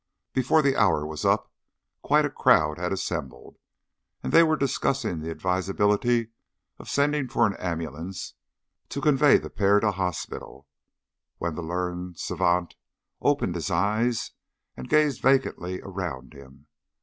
Before the hour was up quite a crowd had assembled, and they were discussing the advisability of sending for an ambulance to convey the pair to hospital, when the learned savant opened his eyes and gazed vacantly around him.